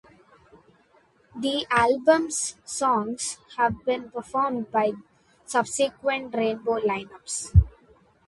The album's songs have been performed by subsequent Rainbow line-ups.